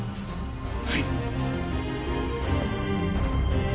はい。